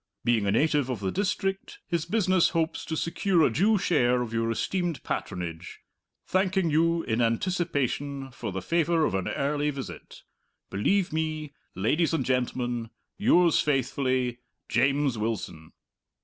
Being a native of the district, his business hopes to secure a due share of your esteemed patronage. Thanking you, in anticipation, for the favour of an early visit, "Believe me, Ladies and Gentlemen, "Yours faithfully, "JAMES WILSON."